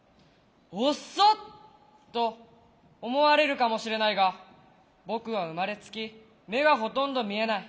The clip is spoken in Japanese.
「遅っ！」と思われるかもしれないが僕は生まれつき目がほとんど見えない。